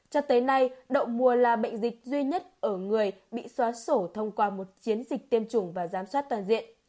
cho tới nay đậu mùa là bệnh dịch duy nhất ở người bị xóa sổ thông qua một chiến dịch tiêm chủng và giám sát toàn diện